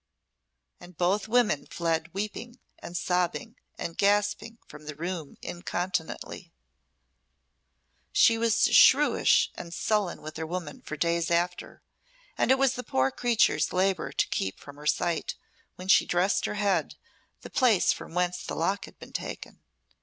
And both women fled weeping, and sobbing, and gasping from the room incontinently. She was shrewish and sullen with her woman for days after, and it was the poor creature's labour to keep from her sight, when she dressed her head, the place from whence the lock had been taken.